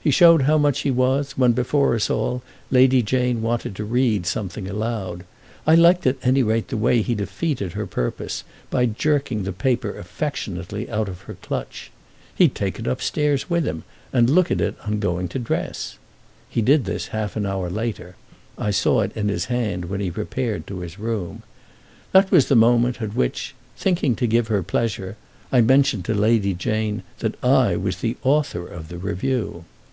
He showed how much he was when before us all Lady Jane wanted to read something aloud. I liked at any rate the way he defeated her purpose by jerking the paper affectionately out of her clutch. He'd take it upstairs with him and look at it on going to dress. He did this half an hour later—I saw it in his hand when he repaired to his room. That was the moment at which, thinking to give her pleasure, I mentioned to Lady Jane that I was the author of the review.